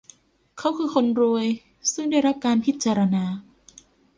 เขาคือคนรวยซึ่งได้รับการพิจารณา